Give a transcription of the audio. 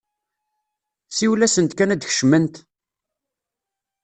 Siwel-asent kan ad d-kecment!